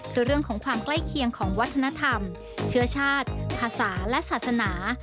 คือเรื่องของความใกล้เคียงของวัฒนธรรมเชื้อชาติภาษาและศาสนา